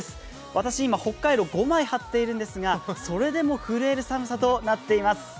私、今ホッカイロ５枚張っているんですが、それでも震える寒さとなっています。